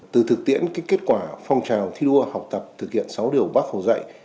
từ thực tiễn kết quả phong trào thi đua học tập thực hiện sáu điều bác hồ dạy